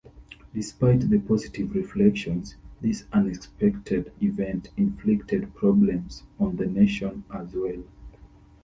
Despite the positive reflections, this unexpected event inflicted problems on the nation as well.